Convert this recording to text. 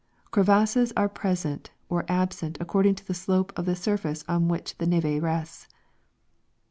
Crevasses are present or absent according to the slope of the surface on which the neve rests.